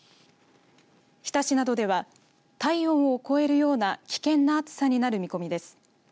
日田市などでは体温を超えるような危険な暑さになる見込みです。